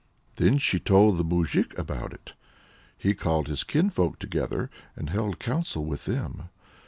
Then she told the moujik about it. He called his kinsfolk together, and held counsel with them.